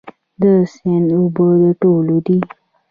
د سیند اوبه د ټولو دي؟